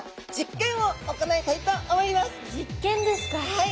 はい！